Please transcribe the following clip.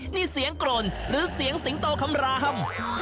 นี่เสียงกรนหรือเสียงสิงโตคำราม